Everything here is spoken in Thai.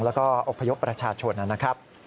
แล้วก็อุบายบประชาชนนั้น